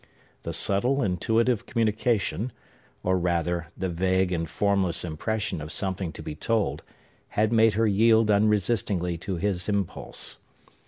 The subtile, intuitive communication, or, rather, the vague and formless impression of something to be told, had made her yield unresistingly to his impulse.